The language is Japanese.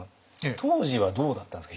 当時はどうだったんですか？